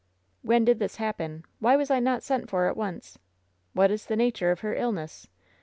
"When did this happen? Why was I not sent for at once? What is the nature of her illness?